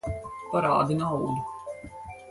Parādi naudu!